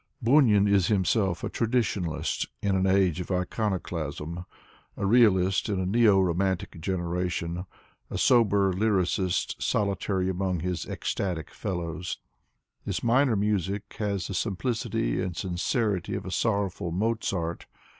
'' Bunin is him self a traditionalist in an age of iconoclasm, a realist in a neo romantic generation, a sober lyricist solitary among his ecstatic fellows. His minor music has the simplicity and sincerity of a sorrowful Mozart.